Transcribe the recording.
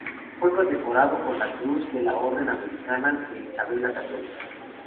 Fue condecorado con la cruz de la Orden americana de Isabel la Católica.